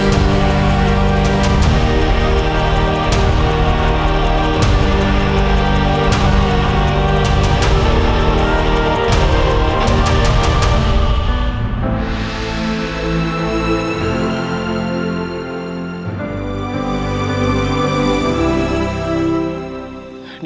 masa akan datang